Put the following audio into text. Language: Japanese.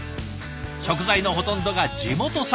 食材のほとんどが地元産。